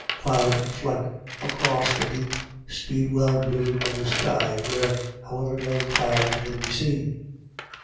17* cloud fleck across the deep speedwell blue of the sky, where, however no clouds were to be seen.